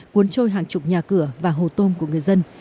cuốn trôi hàng chục nhà cửa và hồ tôm của người dân